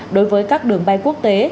đối với các đường bay quốc tế